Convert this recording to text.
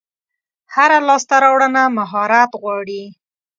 هره لاسته راوړنه مهارت غواړي.